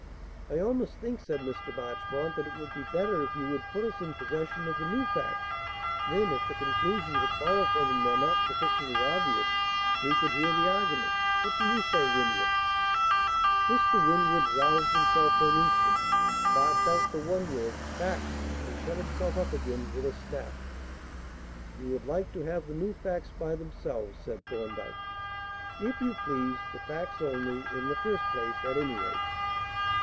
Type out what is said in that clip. "I almost think," said Mr. Marchmont, "that it would be better if you would put us in possession of the new facts. Then, if the conclusions that follow from them are not sufficiently obvious, we could hear the argument. What do you say, Winwood?" Mr. Winwood roused himself for an instant, barked out the one word "Facts," and shut himself up again with a snap. "You would like to have the new facts by themselves?" said Thorndyke. "If you please. The facts only, in the first place, at any rate."